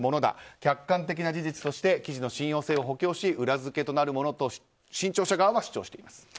客観的な事実として記事の信用性を補強し裏付けとなるものと新潮社側は主張しています。